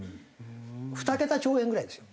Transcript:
２桁兆円ぐらいですよ。